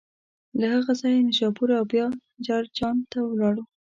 له هغه ځایه نشاپور او بیا جرجان ته ولاړ.